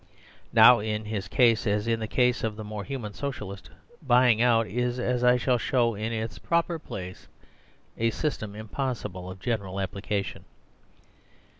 Now, in his case, as in the case of the more human Socialist, " buying out " is, as I shall show in its pro per place, a system impossible of general application.